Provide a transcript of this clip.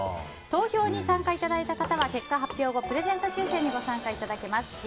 投票に参加いただいた方は結果発表後プレゼント抽選にご応募いただけます。